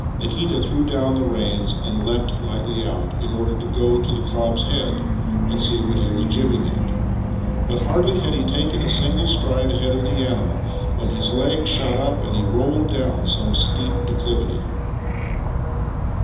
Nikita threw down the reins and leapt lightl}'' out, in order to go to the cob's head and see what he was jibbing at; but hardly had he taken a single stride ahead of the animal when his legs shot up and he rolled down some steep declivity.